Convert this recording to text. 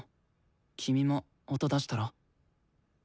君も音出したら？